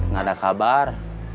gak ada kabar